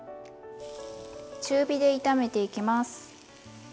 中火で炒めていきます。